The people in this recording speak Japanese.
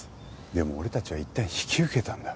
でも俺たちはいったん引き受けたんだ。